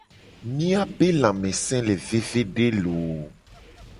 Miabe lamese le vevede looo!